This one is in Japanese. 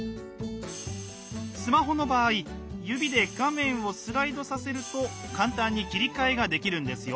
スマホの場合指で画面をスライドさせると簡単に切り替えができるんですよ。